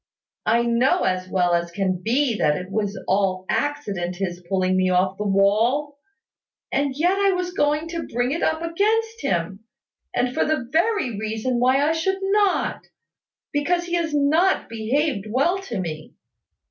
I know as well as can be that it was all accident his pulling me off the wall; and yet I was going to bring it up against him; and for the very reason why I should not, because he has not behaved well to me.